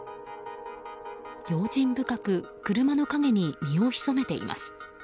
用心深く車の陰に身を潜めています。